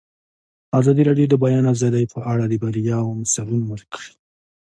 ازادي راډیو د د بیان آزادي په اړه د بریاوو مثالونه ورکړي.